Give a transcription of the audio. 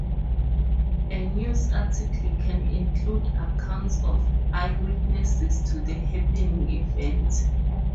A news article can include accounts of eyewitnesses to the happening event.